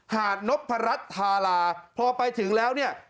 หาดนพรัชธาราพอไปถึงแล้วเนี่ย